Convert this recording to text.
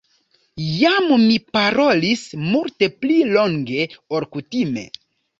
Jam mi parolis multe pli longe, ol kutime.